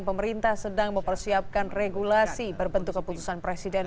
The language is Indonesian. pemerintah sedang mempersiapkan regulasi berbentuk keputusan presiden